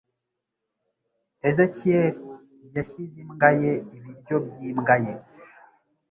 Ezakiyeri yashyize imbwa ye ibiryo byimbwa ye.